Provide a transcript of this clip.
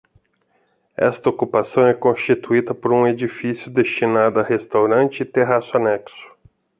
Esta ocupação é constituída por um edifício destinado a restaurante e terraço anexo.